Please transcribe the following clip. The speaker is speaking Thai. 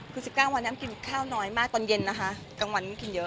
คือ๑๙วันนั้นกินข้าวน้อยมากตอนเย็นนะคะกลางวันนี้กินเยอะ